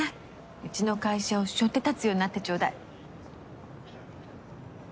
うちの会社をしょって立つようになってちょうだい。